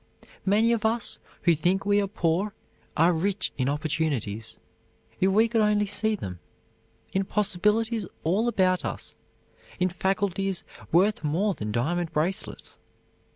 Many of us who think we are poor are rich in opportunities, if we could only see them, in possibilities all about us, in faculties worth more than diamond bracelets.